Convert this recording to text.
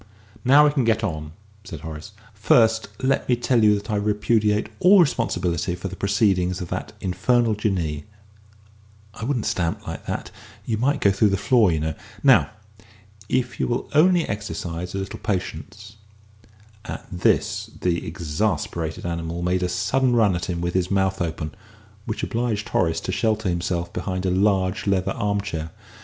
"Now we can get on," said Horace. "First let me tell you that I repudiate all responsibility for the proceedings of that infernal Jinnee.... I wouldn't stamp like that you might go through the floor, you know.... Now, if you will only exercise a little patience " At this the exasperated animal made a sudden run at him with his mouth open, which obliged Horace to shelter himself behind a large leather arm chair.